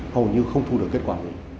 hầu như không thu được kết quả